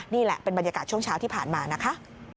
นี่แหละเป็นบรรยากาศช่วงเช้าที่ผ่านมานะคะ